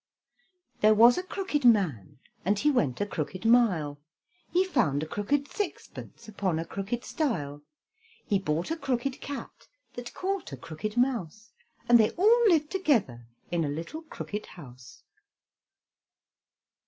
There was a crooked man, And he went a crooked mile, He found a crooked sixpence Upon a crooked stile: He bought a crooked cat, That caught a crooked mouse And they all lived together In a little crooked house.